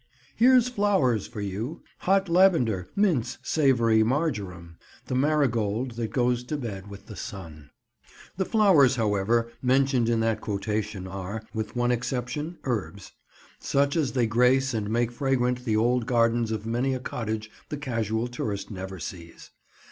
"Here's flowers for you; Hot lavender, mints, savory, marjoram, The marigold, that goes to bed with the sun." The "flowers," however, mentioned in that quotation are, with one exception, herbs. Such as they grace and make fragrant the old gardens of many a cottage the casual tourist never sees.